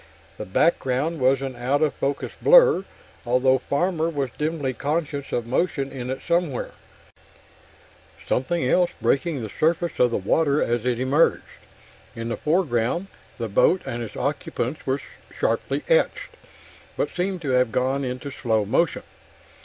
The background was an out of focus blur, although Farmer was dimly conscious of motion in it somewhere something else breaking the surface of the water as it emerged. In the foreground, the boat and its occupants were sharply etched, but seemed to have gone into slow motion.